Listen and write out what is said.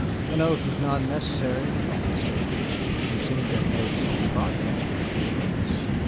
"An oath is not necessary," I said. "But you seem to have made some progress nevertheless."